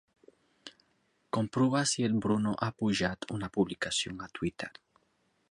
Comprova si el Bruno ha pujat una publicació a Twitter.